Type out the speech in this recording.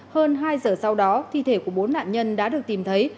hơn hai giờ sau đó thi thể của bốn nạn nhân đã được tìm thấy